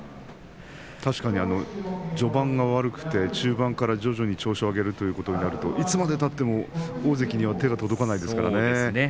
確かに序盤が悪くて中盤から徐々に調子を上げるということになるといつまでたっても大関には手が届かないですからね。